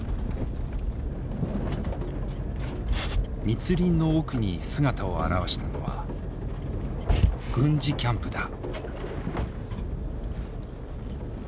密林の奥に姿を現したのは軍事キャンプだ。